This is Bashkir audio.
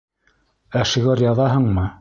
Ә шиғыр яҙаһыңмы?